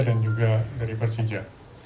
dan juga dari persija